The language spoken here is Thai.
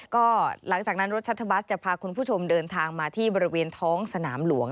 ก็หลังจากนั้นรถชัตจะพาคุณผู้ชมเดินทางมาที่บริเวณท้องสนามหลวง